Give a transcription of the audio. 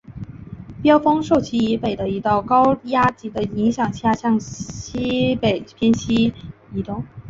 飓风受其以北的一道高压脊的影响下向西北偏西移动。